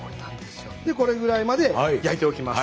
これぐらいまで焼いておきます。